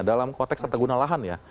dalam konteks kategori lahan ya